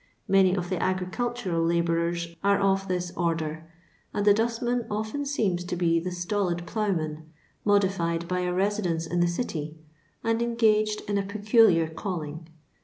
Many of the agricnltuial hibourers are of this order, and the dustman often seems to be the stolid ploughman, modified by a residence in a city, and engaged in a peculiar calling.